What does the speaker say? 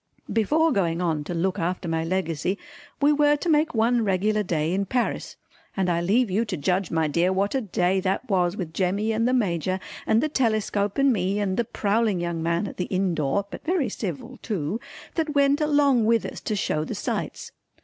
Before going on to look after my Legacy we were to make one regular day in Paris, and I leave you to judge my dear what a day that was with Jemmy and the Major and the telescope and me and the prowling young man at the inn door (but very civil too) that went along with us to show the sights.